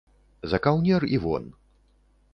За каўнер і вон.